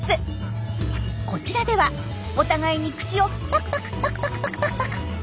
こちらではお互いに口をパクパクパクパクパクパクパク。